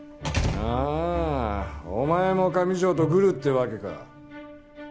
ああお前も上條とグルってわけか。